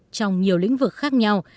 làm việc trong nhiều lĩnh vực khác nhau